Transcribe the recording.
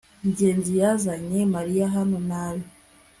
ngenzi yazanye mariya hano nabi